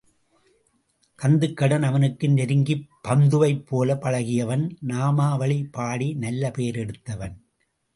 கந்துக்கடன் அவனுக்கு நெருங்கிய பந்துவைப் போலப் பழகியவன், நாமாவளி பாடி நல்ல பெயர் எடுத்தவன்.